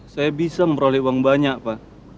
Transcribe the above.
saya bisa memperoleh uang banyak pak